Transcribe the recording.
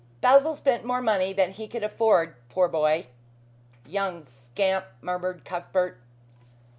Basil spent more money than he could afford, poor boy " "Young scamp," murmured Cuthbert.